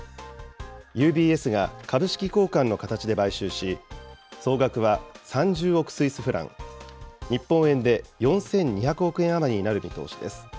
ＵＢＳが株式交換の形で買収し、総額は３０億スイスフラン、日本円で４２００億円余りになる見通しです。